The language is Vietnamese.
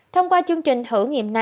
thông qua chương trình thử nghiệm